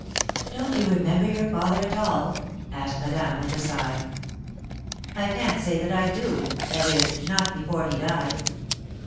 "Don't you remember your father at all?" asked Madame, with a sigh. "I can't say that I do that is, not before he died."